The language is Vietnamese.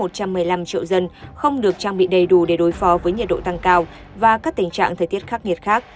một trăm một mươi năm triệu dân không được trang bị đầy đủ để đối phó với nhiệt độ tăng cao và các tình trạng thời tiết khắc nghiệt khác